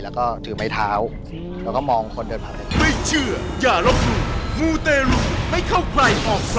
แล้วก็ถือไม้เท้าแล้วก็มองคนเดินผ่านไป